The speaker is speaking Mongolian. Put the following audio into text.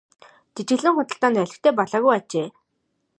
Жижиглэн худалдаа нь олигтой болоогүй ажээ.